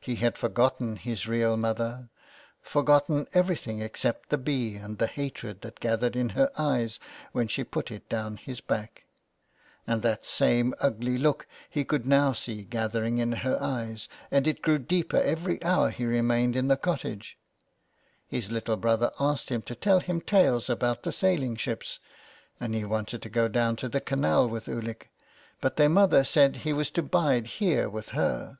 He had forgotten his real mother — for gotten everything except the bee and the hatred that gathered in her eyes when she put it down his back ; and that same ugly look he could now see gathering in her eyes, and it grew deeper every hour he remained in the cottage. His little brother asked him to tell him tales about the sailing ships, and he wanted to go down to the canal with Ulick, but their mother said he was to bide here with her.